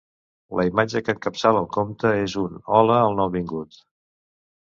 La imatge que encapçala el compte és un ‘Hola’ al nouvingut.